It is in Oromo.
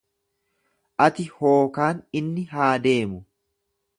Ati hookaan inni haa deemu.